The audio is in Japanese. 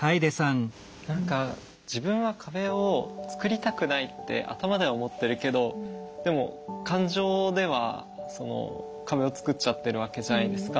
何か自分は壁を作りたくないって頭では思ってるけどでも感情では壁を作っちゃってるわけじゃないですか。